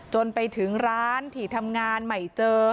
จนไปถึงร้านที่ทำงานไม่เจอ